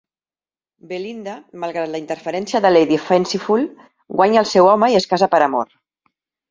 Belinda, malgrat la interferència de Lady Fanciful, guanya al seu home i es casa per amor.